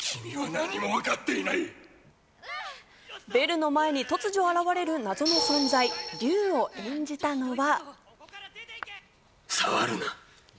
ベルの前に突如現れる謎の存在、竜を演じたのは。